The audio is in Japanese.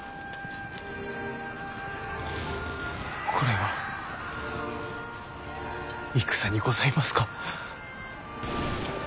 これが戦にございますか？